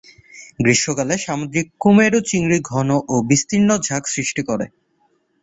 গ্রীষ্মকালে সামুদ্রিক কুমেরু চিংড়ি ঘন ও বিস্তীর্ণ ঝাঁক সৃষ্টি করে।